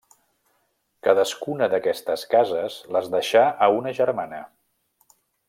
Cadascuna d'aquestes cases les deixà a una germana.